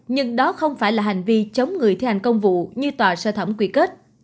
nhưng đó không phải là hành vi chống người thi hành công vụ như tòa sơ thẩm quy kết